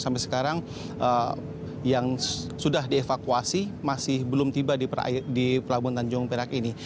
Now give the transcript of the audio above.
sampai sekarang yang sudah dievakuasi masih belum tiba di pelabuhan tanjung perak ini